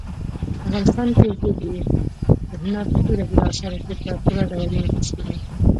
افغانستان کې ژبې د هنر په بېلابېلو اثارو کې په پوره ډول منعکس کېږي.